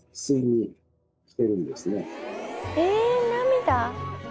え涙？